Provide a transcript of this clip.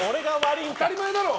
当たり前だろ！